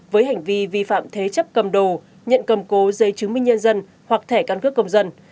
với hành vi vi phạm thế chấp cầm đồ nhận cầm cố dây chứng minh nhân dân hoặc thẻ căn cước công dân